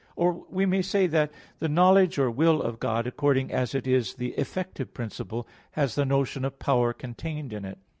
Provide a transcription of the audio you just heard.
Or we may say, that the knowledge or will of God, according as it is the effective principle, has the notion of power contained in it.